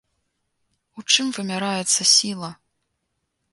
У чым вымяраецца сіла?